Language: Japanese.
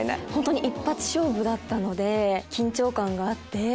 本当に一発勝負だったので緊張感があって。